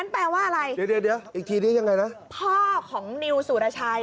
อ๋อเดี๋ยวอีกทีนี้ยังไงนะงั้นแปลว่าอะไร